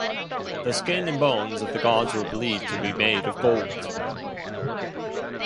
The skin and bones of the gods were believed to be made of gold.